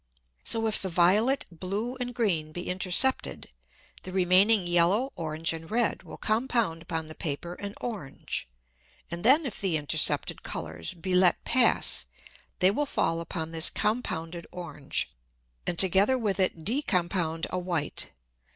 So if the violet, blue and green be intercepted, the remaining yellow, orange and red will compound upon the Paper an orange, and then if the intercepted Colours be let pass, they will fall upon this compounded orange, and together with it decompound a white.